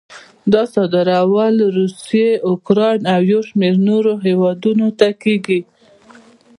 دا صادرول روسیې، اوکراین او یو شمېر نورو هېوادونو ته کېږي.